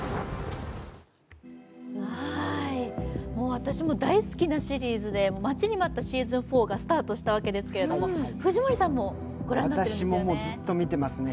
私も大好きなシリーズで待ちに待ったシーズン４がスタートしたわけですけれども藤森さんも御覧になっているんですよね？